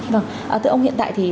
vâng tựa ông hiện tại thì